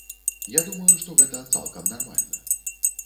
Я думаю, што гэта цалкам нармальна.